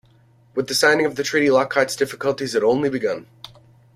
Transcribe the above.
With the signing of the treaty Lockhart's difficulties had only begun.